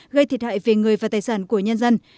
gây thiệt hại về người và tài sản của nhân dân